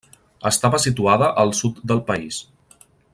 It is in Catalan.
Estava situada al sud del país.